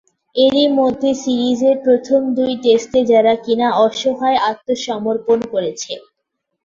এরই মধ্যে সিরিজের প্রথম দুই টেস্টে যারা কিনা অসহায় আত্মসমর্পণ করেছে।